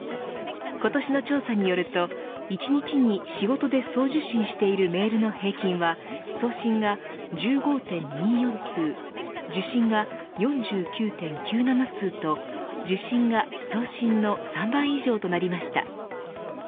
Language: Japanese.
今年の調査によると１日に仕事で送受信しているメールの平均は送信が１５．２４通受信が４９．９７通と受信が送信の３倍以上となりました。